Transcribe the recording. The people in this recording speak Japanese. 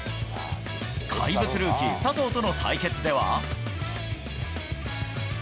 怪物ルーキー、佐藤との対決では。